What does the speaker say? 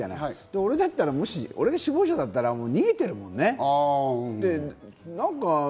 俺だったら、俺が首謀者だったら逃げてるもんね。